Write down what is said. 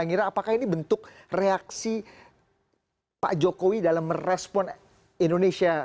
atau mengira ngira apakah ini bentuk reaksi pak jokowi dalam merespon indonesia